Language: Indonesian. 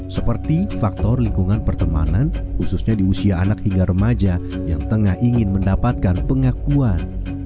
seperti faktor lingkungan pertemanan khususnya di usia anak hingga remaja yang tengah ingin mendapatkan pengakuan